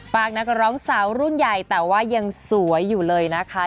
ปากนักร้องสาวรุ่นใหญ่แต่ว่ายังสวยอยู่เลยนะคะ